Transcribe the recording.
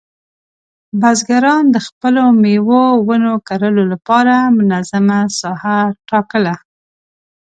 بزګران د خپلو مېوې ونو کرلو لپاره منظمه ساحه ټاکله.